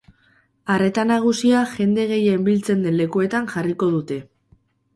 Arreta nagusia jende gehien biltzen den lekuetan jarriko dute.